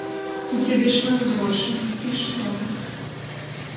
У цябе шмат грошай, і што?